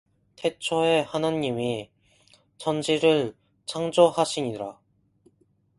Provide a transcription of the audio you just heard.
태초에 하나님이 천지를 창조하시니라